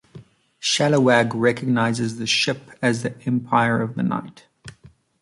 Scalawag recognizes the ship as the "Empire of the Night".